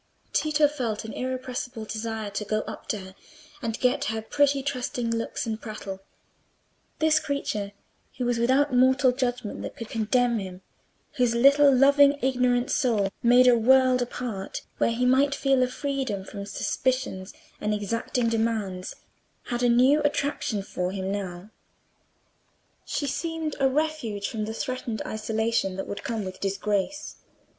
Tito felt an irresistible desire to go up to her and get her pretty trusting looks and prattle: this creature who was without moral judgment that could condemn him, whose little loving ignorant soul made a world apart, where he might feel in freedom from suspicions and exacting demands, had a new attraction for him now. She seemed a refuge from the threatened isolation that would come with disgrace.